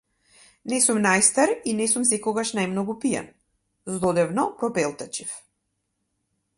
Не сум најстар и не сум секогаш најмногу пијан, здодевно пропелтечив.